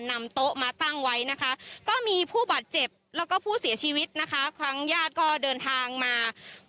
นำโต๊ะมาตั้งไว้นะคะก็มีผู้บาดเจ็บแล้วก็ผู้เสียชีวิตนะคะครั้งญาติก็เดินทางมา